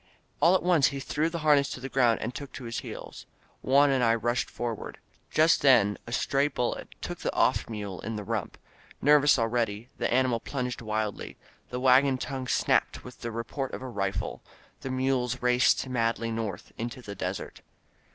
All at once he threw the harness to the ground and took to his heels. Juan and I rushed forward. Just then a stray bullet took the off mule in the rump. Nervous already, the animals plunged wildly. The wagon tongue snapped with the report of a rifle. The mules raced madly north into the desert.